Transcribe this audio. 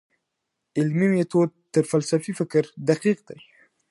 علمي ميتود تر فلسفي فکر دقيق دی.